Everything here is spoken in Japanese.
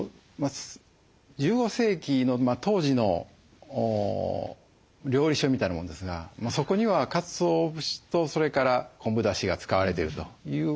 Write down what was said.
１５世紀の当時の料理書みたいなもんですがそこにはかつお節とそれから昆布だしが使われてるということは記述はあります。